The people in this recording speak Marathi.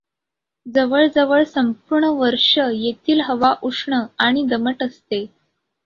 जवळजवळ संपूर्ण वर्ष येथील हवा उष्ण आणि दमट असते.